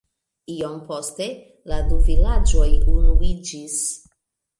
Iom poste la du vilaĝoj unuiĝis.